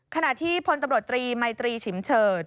ขณะที่พลตำรวจตรีมัยตรีฉิมเฉิด